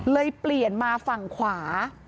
เปลี่ยนมาฝั่งขวา